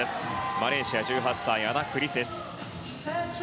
マレーシア、１８歳アナックリセス。